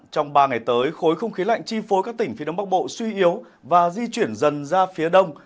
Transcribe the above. trong ba ngày tới khối không khí lạnh chi phối các tỉnh phía đông bắc bộ suy yếu và di chuyển dần ra phía đông